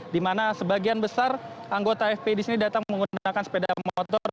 di mana sebagian besar anggota fpi di sini datang menggunakan sepeda motor